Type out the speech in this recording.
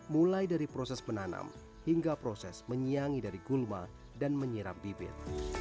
mulai dari proses menanam hingga proses menyiangi dari gulma dan menyiram bibit